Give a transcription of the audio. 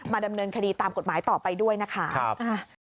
ดำเนินคดีตามกฎหมายต่อไปด้วยนะคะ